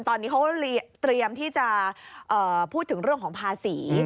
ตอนนี้เขาเตรียมที่จะพูดถึงเรื่องของภาษี